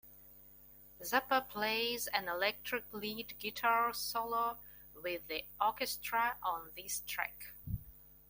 Zappa plays an electric lead guitar solo with the orchestra on this track.